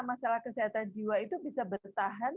masalah kesehatan jiwa itu bisa bertahan